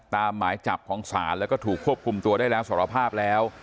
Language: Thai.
หมายจับของศาลแล้วก็ถูกควบคุมตัวได้แล้วสารภาพแล้ว